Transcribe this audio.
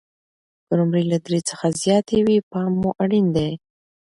که نمرې له درې څخه زیاتې وي، پام مو اړین دی.